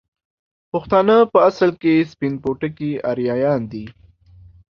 پښتانه په اصل کې سپين پوټکي اريايان دي